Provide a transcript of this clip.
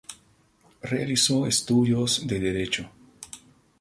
Realizó estudios de derecho.